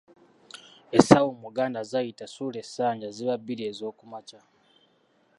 Essaawa Omuganda z’ayita suula essanja ziba bbiri ez'okumakya.